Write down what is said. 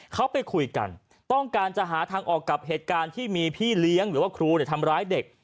เขาไปคุยกันต้องการจะหาทางออกกับเหตุการณ์ที่มีพี่เลี้ยงหรือว่าครูทำร้ายเด็ก